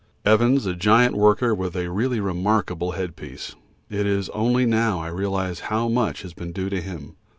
Evans, a giant worker with a really remarkable headpiece. It is only now I realise how much has been due to him.